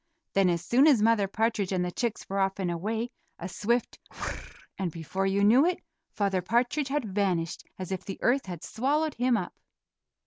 Then as soon as Mother Partridge and the chicks were off and away, a swift "whir r r," and before you knew it, Father Partridge had vanished as if the earth had swallowed him up.